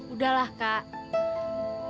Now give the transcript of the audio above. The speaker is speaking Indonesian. udah lah kak